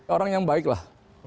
orang yang baik lah